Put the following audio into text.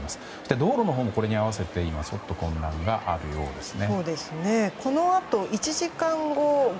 道路のほうもこれに合わせて今ちょっと混乱もあるようですね。